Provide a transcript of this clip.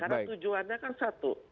karena tujuannya kan satu